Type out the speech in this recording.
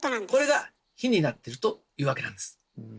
これが火になってるというわけなんです。